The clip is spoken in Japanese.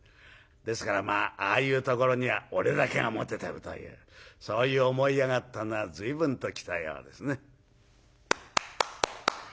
ですからまあああいうところには俺だけがモテてるというそういう思い上がったのはずいぶんと来たようですね。